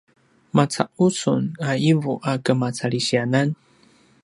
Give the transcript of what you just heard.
maca’u sun a ’ivu a kemacalisiyanan?